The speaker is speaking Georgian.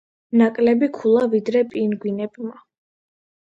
ნაკლები ქულა, ვიდრე პინგვინებმა.